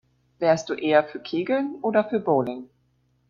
Wärst du eher für Kegeln oder für Bowling?